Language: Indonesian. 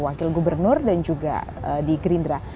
wakil gubernur dan juga di gerindra